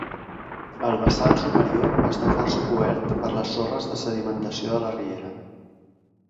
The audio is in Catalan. El bassal superior està força cobert per les sorres de sedimentació de la riera.